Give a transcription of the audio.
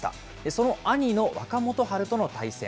その兄の若元春との対戦。